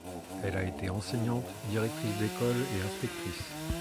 Elle a été enseignante, directrice d'écoles et inspectrice.